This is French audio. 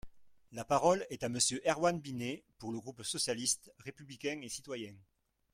La parole est à Monsieur Erwann Binet, pour le groupe socialiste, républicain et citoyen.